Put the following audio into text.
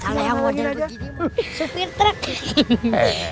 kalau yang wajar begini supir truk